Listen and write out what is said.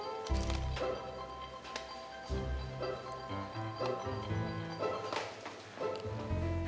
hai ini tentu perlu nggak usah